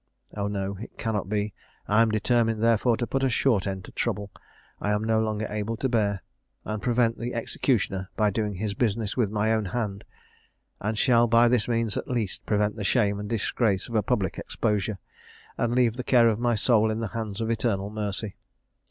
O, no! it cannot be! I am determined, therefore, to put a short end to trouble I am no longer able to bear, and prevent the executioner by doing his business with my own hand, and shall by this means at least prevent the shame and disgrace of a public exposure, and leave the care of my soul in the hands of eternal mercy.